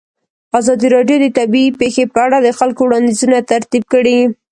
ازادي راډیو د طبیعي پېښې په اړه د خلکو وړاندیزونه ترتیب کړي.